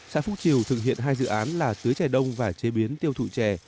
xã phúc triều thực hiện hai dự án là tưới trẻ đông và chế biến tiêu thụ chè